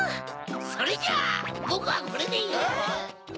それじゃあボクはこれで。